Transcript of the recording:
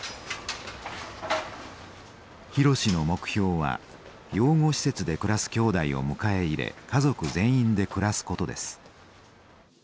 博の目標は養護施設で暮らすきょうだいを迎え入れ家族全員で暮らすことです。